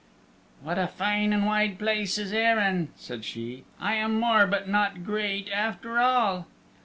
"What a fine and wide place is Eirinn," said she, "I am Mor, but not great after all."